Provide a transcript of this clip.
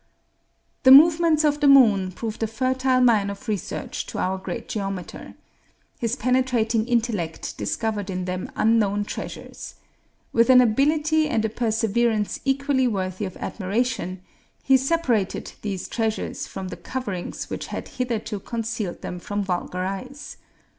The movements of the moon proved a fertile mine of research to our great geometer. His penetrating intellect discovered in them unknown treasures. With an ability and a perseverance equally worthy of admiration, he separated these treasures from the coverings which had hitherto concealed them from vulgar eyes.